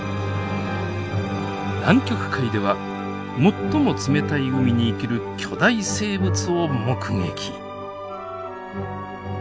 南極海では最も冷たい海に生きる巨大生物を目撃！